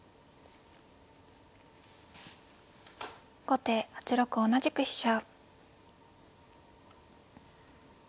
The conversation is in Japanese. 後手８六同じく飛車。